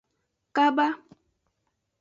Kaba.